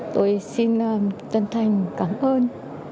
tôi xin chân thành cảm ơn